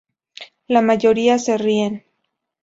La mayoría se ríen.